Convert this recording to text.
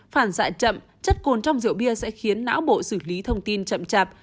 phản xạ chậm chất côn trong rượu bia sẽ khiến não bộ xử lý thông tin chậm chạp